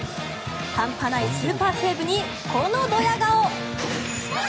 半端ないスーパーセーブにこのドヤ顔。